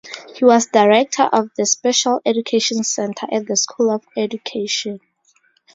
He was director of the Special Education Centre at the School of Education.